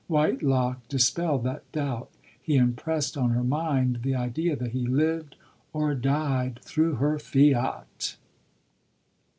Whitelock dispelled that doubt. He impressed on her mind the idea that he lived or died through her fiat.